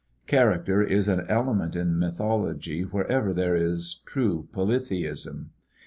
Character is an element in mythology wherever there is true polytheism.